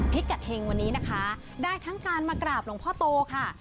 กะเทงวันนี้นะคะได้ทั้งการมากราบหลวงพ่อโตค่ะ